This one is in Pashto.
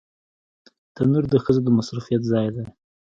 تنور د ښځو د مصروفيت ځای دی